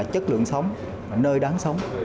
chất lượng sống nơi đáng sống